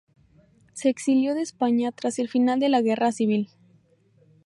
Se exilió de España tras el final de la Guerra civil.